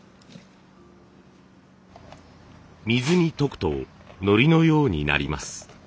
水に溶くとのりのようになります。